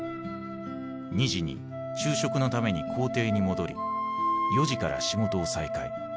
２時に昼食のために公邸に戻り４時から仕事を再開。